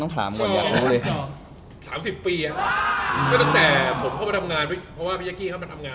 ตอนนั้นเสียอีกทรงนึง